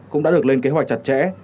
cũng đã được lên kế hoạch chặt chẽ